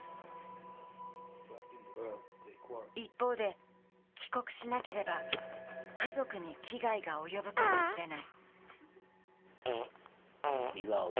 一方で帰国しなければ家族に危害が及ぶかもしれない。